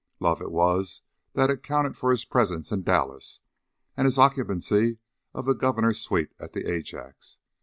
Love it was that accounted for his presence in Dallas, and his occupancy of the Governor's suite at the Ajax.